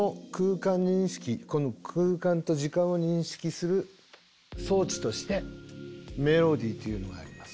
この空間と時間を認識する装置としてメロディーというのがあります。